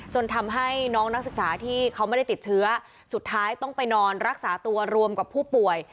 ทำให้น้องนักศึกษาที่เขาไม่ได้ติดเชื้อสุดท้ายต้องไปนอนรักษาตัวรวมกับผู้ป่วย